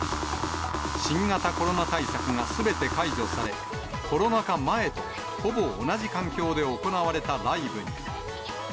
新型コロナ対策がすべて解除され、コロナ禍前とほぼ同じ環境で行われたライブに。